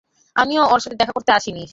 আমিও ওর সাথে দেখা করতে আসি নি।